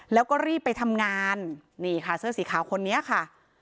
แล้วก็รีบไปทำงานนี่ค่ะเสื้อสีขาวคนนี้ค่ะ